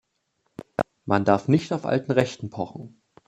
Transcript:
Man darf nicht auf alten Rechten pochen.